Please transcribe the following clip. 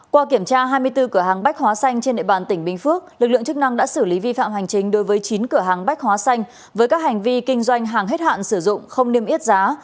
qua kiểm tra hai mươi bốn cửa hàng bách hóa xanh trên địa bàn tỉnh bình phước lực lượng chức năng đã xử lý vi phạm hành chính đối với chín cửa hàng bách hóa xanh với các hành vi kinh doanh hàng hết hạn sử dụng không niêm yết giá